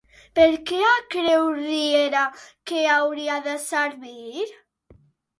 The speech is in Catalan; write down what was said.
Per a què creu Riera que hauria de servir?